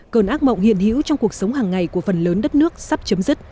cơn ác mộng hiện hữu trong cuộc sống hàng ngày của phần lớn đất nước sắp chấm dứt